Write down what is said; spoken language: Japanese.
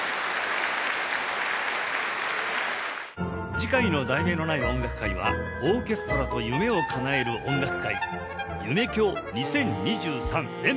次回の『題名のない音楽会』は「オーケストラと夢をかなえる音楽会夢響２０２３前編」